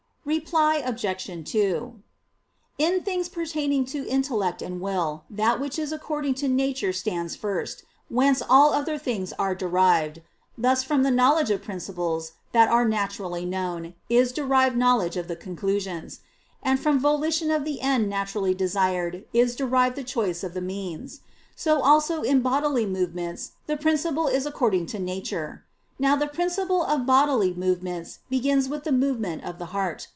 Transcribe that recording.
Reply Obj. 2: In things pertaining to intellect and will, that which is according to nature stands first, whence all other things are derived: thus from the knowledge of principles that are naturally known, is derived knowledge of the conclusions; and from volition of the end naturally desired, is derived the choice of the means. So also in bodily movements the principle is according to nature. Now the principle of bodily movements begins with the movement of the heart.